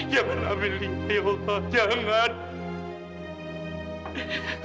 jangan ambil ini ya allah